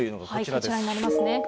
こちらになりますね。